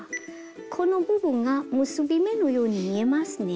この部分が結び目のように見えますね。